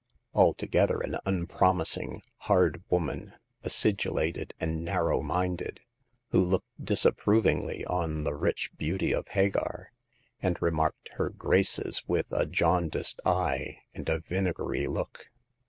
Altogether an unpromis ing, hard woman, acidulated and narrow minded, who looked disapprovingly on the rich beauty of Hagar,.;^nd remarked her graces with a jaundiced eye atid a vinegary look.